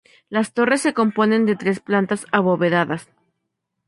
Las torres se componen de tres plantas abovedadas.